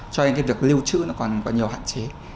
cho đến việc lưu trữ nó còn có nhiều hạn chế